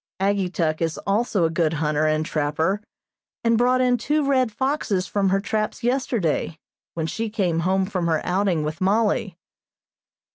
Ageetuk also is a good hunter and trapper, and brought in two red foxes from her traps yesterday, when she came home from her outing with Mollie.